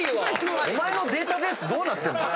お前のデータベースどうなってるんだ